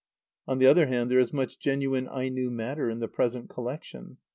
On the other hand, there is much genuine Aino matter in the present collection.